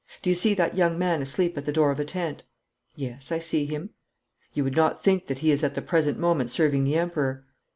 Do you see that young man asleep at the door of a tent?' 'Yes, I see him.' 'You would not think that he is at the present moment serving the Emperor?'